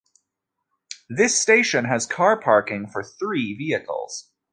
The station has car parking for three vehicles.